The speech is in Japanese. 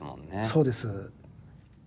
そうです。